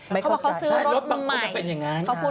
เขาบอกว่าเขาซื้อรถใหม่เขาพูดว่าอย่างนั้น